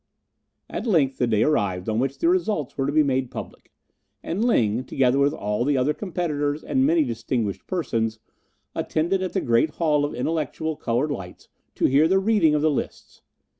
At length the day arrived on which the results were to be made public; and Ling, together with all the other competitors and many distinguished persons, attended at the great Hall of Intellectual Coloured Lights to hear the reading of the lists.